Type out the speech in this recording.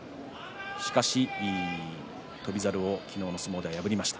しかし、翔猿を昨日の相撲で破りました。